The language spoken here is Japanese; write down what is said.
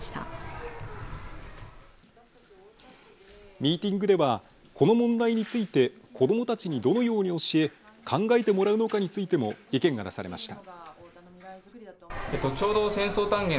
ミーティングではこの問題について子どもたちにどのように教え考えてもらうのかについても意見が出されました。